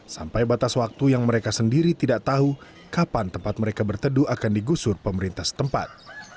sampai batas waktu yang mereka sendiri tidak tahu kapan tempat mereka berteduh akan digusur pemerintah setempat